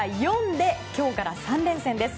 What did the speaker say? ４で今日から３連戦です。